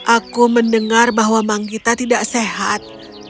aku mendengar bahwa manggita tidak sehat